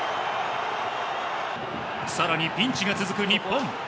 さらにピンチが続く日本。